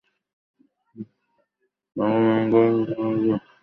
ভগবানদাস বাবাজী কালনার বিশিষ্ট বৈষ্ণব সাধক ও সিদ্ধপুরুষ বলিয়া কথিত।